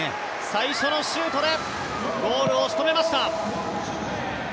最初のシュートでゴールを仕留めました。